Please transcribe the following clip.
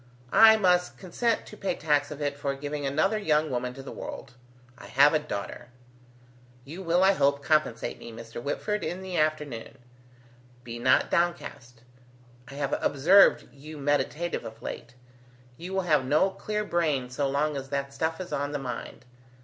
I must consent to pay tax of it for giving another young woman to the world. I have a daughter! You will, I hope, compensate me, Mr. Whitford, in the afternoon. Be not downcast. I have observed you meditative of late. You will have no clear brain so long as that stuff is on the mind.